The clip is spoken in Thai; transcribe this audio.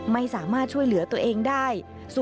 ไม่สามารถช่วยเหลือตัวเองได้